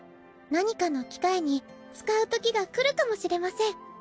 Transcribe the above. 何かの機会に使うときが来るかもしれません。